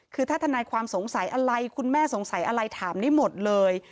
คือถ้าทนายความสงสัยอะไรคุณแม่สงสัยอะไรถามได้หมดเลย